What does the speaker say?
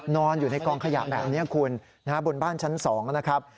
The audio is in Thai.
นอนอยู่ในกองขยะแบบนี้คุณบนบ้านชั้น๒นะครับ